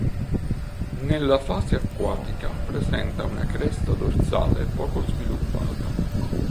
Nella fase acquatica presenta una cresta dorsale poco sviluppata.